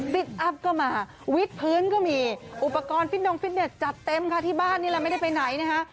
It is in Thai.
อัพก็มาวิทย์พื้นก็มีอุปกรณ์ฟิตดงฟิตเน็ตจัดเต็มค่ะที่บ้านนี่แหละไม่ได้ไปไหนนะคะ